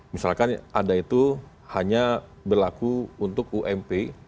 misalkan ada itu hanya berlaku untuk ump